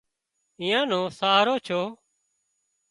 ايئان نو سهارو ٿو